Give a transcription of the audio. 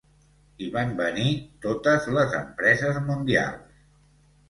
I van venir totes les empreses mundials.